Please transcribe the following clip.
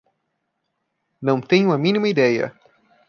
Não tenho a mínima ideia.